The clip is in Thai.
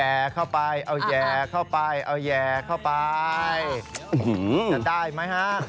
เอาแย่เข้าไป